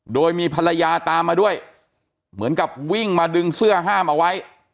โดยมีภรรยาตามมาด้วยเหมือนกับวิ่งมาดึงเสื้อห้ามเอาไว้